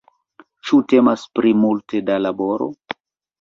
Ĉu temas pri multe da laboro?